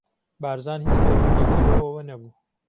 بارزان هیچ پەیوەندییەکی بەوەوە نەبوو.